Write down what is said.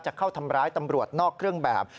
เข้าทำร้ายตำรวจนอกเครื่องแบบ